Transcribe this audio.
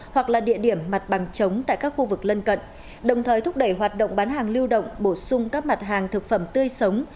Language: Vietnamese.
hoặc là địa điểm mặt bằng chống tại các khu vực lân cận đồng thời thúc đẩy hoạt động bán hàng lưu động bổ sung các mặt hàng thực phẩm tươi sống